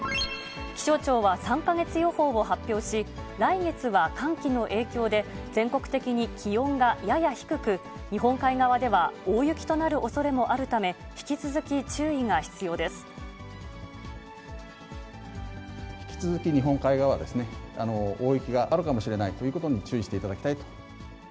気象庁は３か月予報を発表し、来月は寒気の影響で、全国的に気温がやや低く、日本海側では大雪となるおそれもあるため、引き続き注意が必要で引き続き日本海側は、大雪があるかもしれないということに注意していただきたいと。